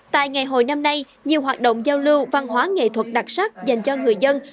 tại ngày hội năm nay nhiều hoạt động giao lưu văn hóa nghệ thuật đặc sắc dành cho người dân